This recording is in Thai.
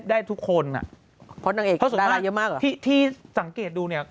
ได้ทุกคนอ่ะเพราะดังเอกฟีแลนด์ดารายเยอะมากเหรอที่สังเกตดูเนี่ย